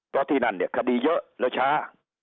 เพราะที่นั่นเนี่ยคดีเยอะแล้วช้า